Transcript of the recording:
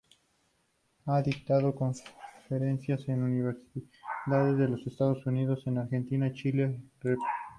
Ha dictado conferencias en Universidades de los Estados Unidos, en la Argentina, Chile, Rep.